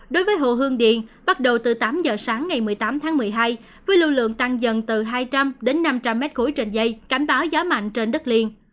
đối với hồ hương điện bắt đầu từ tám h sáng ngày một mươi tám tháng một mươi hai với lưu lượng tăng dần từ hai trăm linh năm trăm linh m ba trên dây cảnh báo gió mạnh trên đất liền